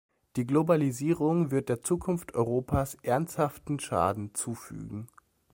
Die Globalisierung wird der Zukunft Europas ernsthaften Schaden zufügen.